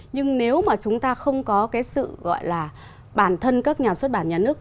nhưng nếu mà chúng ta không có cái sự gọi là bản thân các nhà xuất bản nhà nước